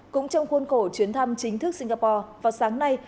cũng trong khuôn khổ chuyến thăm chính thức singapore vào sáng nay